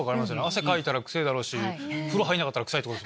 汗かいたら臭ぇだろうし風呂入んなかったら臭い。